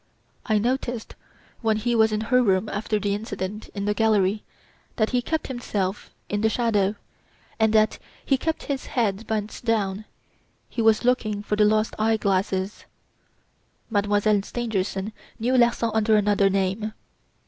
I noticed, when he was in her room after the incident in the gallery, that he kept himself in the shadow, and that he kept his head bent down. He was looking for the lost eye glasses. Mademoiselle Stangerson knew Larsan under another name."